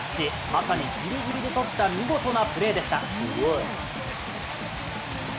まさにギリギリで取った見事なプレーでした。